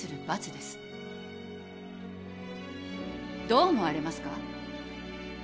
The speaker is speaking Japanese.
どう思われますか？